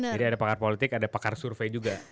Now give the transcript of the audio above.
jadi ada pakar politik ada pakar survei juga